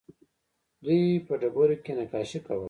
دوی په ډبرو کې نقاشي کوله